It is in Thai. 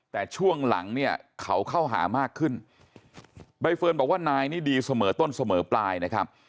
แต่ช่วงหลังเนี่ยเขาเข้าหามากขึ้นใบเฟิร์นบอกว่านายนี่ดีเสมอต้นเสมอปลายนะครับ